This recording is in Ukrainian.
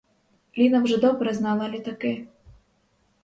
Ліна вже добре знала літаки.